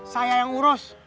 saya yang urus